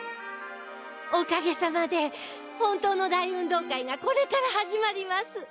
おかげさまで本当の大運動会がこれから始まります。